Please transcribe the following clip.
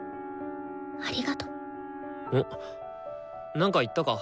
なんか言ったか？